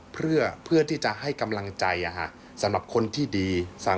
เพื่อที่จะให้กำลังใจสำหรับคนที่ดี